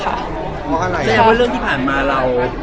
เพราะว่าเรื่องที่ผ่านมาเรา